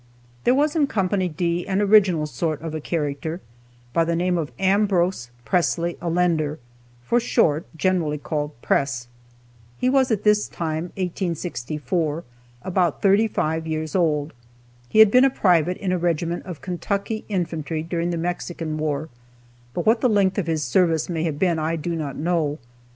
There was in Company D an original sort of a character, by the name of Ambrose Pressley Allender, for short, generally called "Press." He was at this time (1864) about thirty five years old. He had been a private in a regiment of Kentucky infantry during the Mexican War, but what the length of his service may have been I do not know.